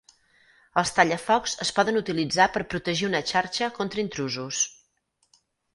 Els tallafocs es poden utilitzar per protegir una xarxa contra intrusos.